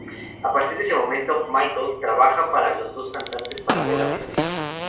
A partir de ese momento, Michael trabaja para las dos cantantes paralelamente.